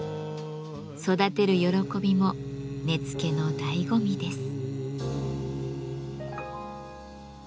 育てる喜びも根付のだいご味です。